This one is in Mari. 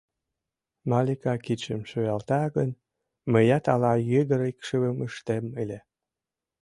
«Малика кидшым шуялта гын, мыят ала йыгыр икшывым ыштем ыле.